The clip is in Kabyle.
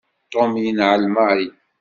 Tom yenɛel Mary.